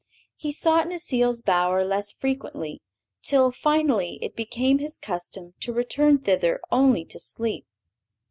He sought Necile's bower less frequently, till finally it became his custom to return thither only to sleep.